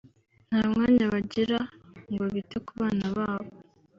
nta mwanya bagira ngo bite ku bana babo